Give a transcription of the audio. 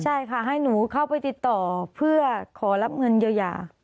ใช่ค่ะให้หนูเข้าไปติดต่อเพื่อขอรับเงินเยียวยา